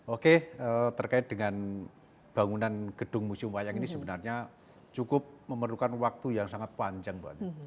oke terkait dengan bangunan gedung museum wayang ini sebenarnya cukup memerlukan waktu yang sangat panjang